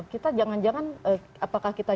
kita jangan jangan apakah kita